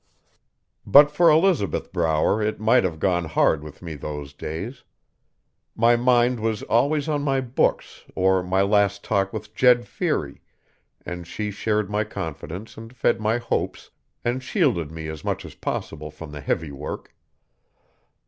But for Elizabeth Brower it might have gone hard with me those days. My mind was always on my books or my last talk with Jed Feary, and she shared my confidence and fed my hopes and shielded me as much as possible from the heavy work.